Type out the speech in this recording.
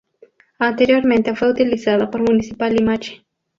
Anteriormente fue utilizado por Municipal Limache.